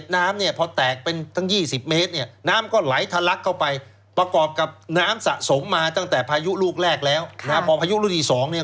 น้ำสระสงมาตั้งแต่พายุลูกแรกแล้วและพอพยุคลุ่นอีก๒ครับ